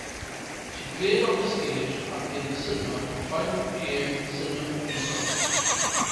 She played on the stage and in the cinema and finally became cinema producer.